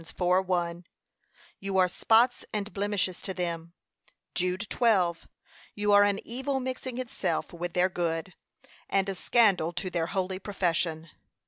4:1) You are spots and blemishes to them; Jude 12, you are an evil mixing itself with their good, and a scandal to their holy profession.